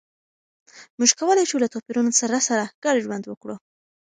موږ کولای شو له توپیرونو سره سره ګډ ژوند وکړو.